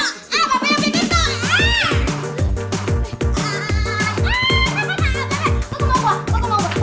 ah bapak yang bikin tuh